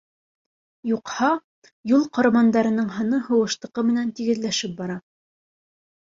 Юҡһа, юл ҡорбандарының һаны һуғыштыҡы менән тигеҙләшеп бара.